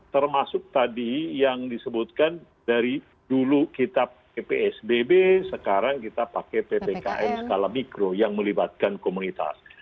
termasuk tadi yang disebutkan dari dulu kita psbb sekarang kita pakai ppkm skala mikro yang melibatkan komunitas